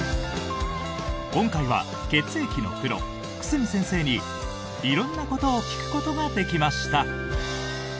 今回は血液のプロ、久住先生に色んなことを聞くことができました。